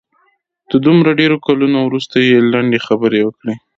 د دومره ډېرو کلونو وروسته یې لنډې خبرې وکړې.